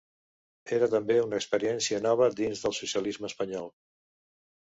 Era també una experiència nova dins del socialisme espanyol.